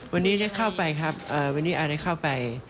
วันนี้ได้เข้าไปครับวันนี้อาได้เข้าไป